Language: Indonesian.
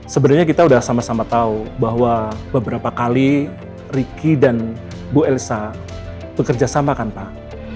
sebenarnya kita sudah sama sama tahu bahwa beberapa kali riki dan bu elsa bekerja sama kan pak